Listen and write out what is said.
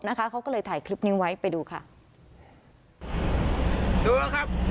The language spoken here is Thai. ไว้ไปดูค่ะดูนะครับบริษัทอะไรไม่รู้ครับ